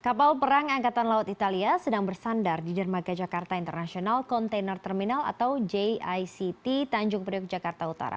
kapal perang angkatan laut italia sedang bersandar di dermaga jakarta international container terminal atau jict tanjung priok jakarta utara